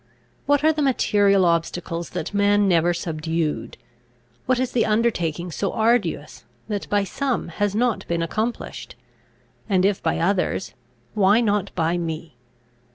What are the material obstacles, that man never subdued? What is the undertaking so arduous, that by some has not been accomplished? And if by others, why not by me?